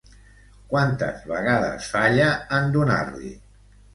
Quantes vegades falla en donar-li?